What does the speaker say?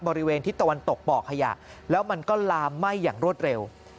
บริเวณทิศตะวันตกบ่อขยะแล้วมันก็ลามไหม้อย่างรวดเร็ว